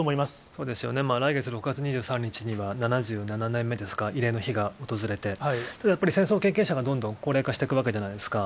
そうですよね、来月６月２３日には、７７年目ですか、慰霊の日が訪れて、ただやっぱり、戦争経験者がどんどん高齢化していくわけじゃないですか。